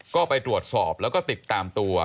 ก็ไปตรวจสอบแล้วก็ติดตามตัว